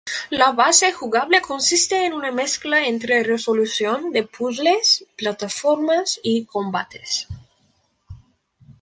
La base jugable consiste en una mezcla entre resolución de puzles, plataformas y combates.